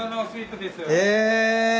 え？